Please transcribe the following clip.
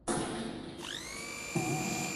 Quan van liderar la ciutat els aristòcrates?